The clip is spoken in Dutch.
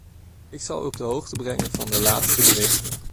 Ik zal u op de hoogte brengen van de laatste berichten.